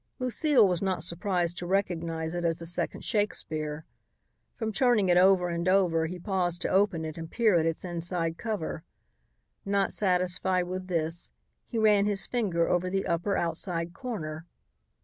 Lucile was not surprised to recognize it as the second Shakespeare. From turning it over and over, he paused to open it and peer at its inside cover. Not satisfied with this, he ran his finger over the upper, outside corner.